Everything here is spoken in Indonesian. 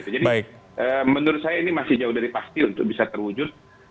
jadi menurut saya ini masih jauh dari pasti untuk bisa terwujud